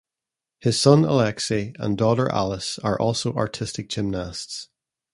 His son Aleksey and daughter Alice are also artistic gymnasts.